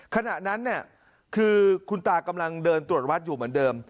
ขณะนั้นเนี่ยคือคุณตากำลังเดินตรวจวัดอยู่เหมือนเดิม